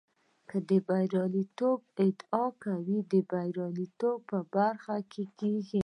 که د برياليتوب ادعا کوې برياليتوب دې په برخه کېږي.